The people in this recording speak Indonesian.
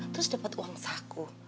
terus dapat uang saku